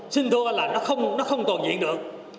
xin thua là nó không tồn diện được